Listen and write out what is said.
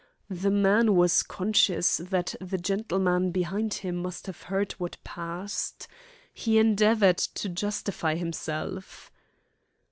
The man was conscious that the gentleman behind him must have heard what passed. He endeavoured to justify himself.